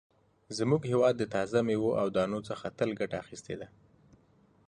زموږ هېواد د تازه مېوو او دانو څخه تل ګټه اخیستې ده.